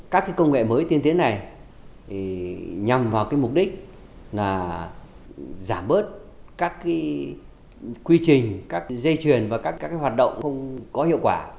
các công nghệ mới tiên tiến này nhằm vào mục đích giảm bớt các quy trình dây truyền và các hoạt động không có hiệu quả